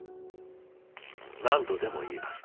何度でも言います。